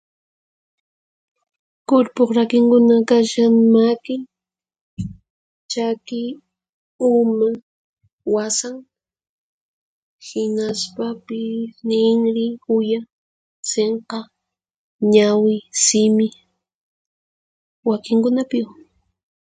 Kurpuq rakinkuna kashan: maki, chaki, uma, wasan, hinaspapis ninri, uya, sinqa, ñawi, simi, wakinkunapiwan.